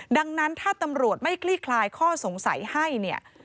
ดังนั้นถ้าตำรวจไม่คลี่คลายข้อสงสัยให้เนี่ย